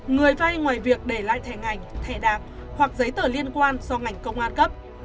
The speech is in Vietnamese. người vay ngoài việc để lại thẻ ngành thẻ đạc hoặc giấy tờ liên quan do ngành công an cấp